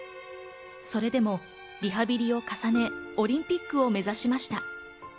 それでもリハビリを重ね、オリンピックを目指しました。